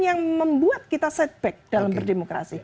yang membuat kita setback dalam berdemokrasi